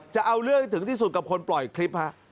จะเอาเรื่องที่สุดกับคนปล่อยคลิป